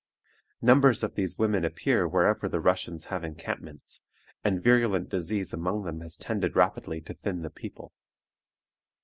Numbers of these women appear wherever the Russians have encampments, and virulent disease among them has tended rapidly to thin the people.